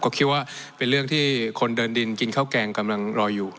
ก็คิดว่าเป็นเรื่องที่คนเดินดินกินข้าวแกงกำลังรออยู่